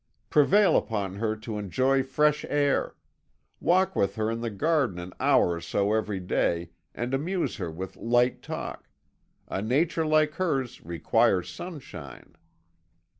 Prevail upon her to enjoy fresh air: walk with her in the garden an hour or so every day, and amuse her with light talk; a nature like hers requires sunshine.'